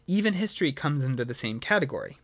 Even history comes under the same category.